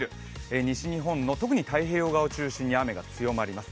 西日本の特に太平洋を中心に雨が強まります。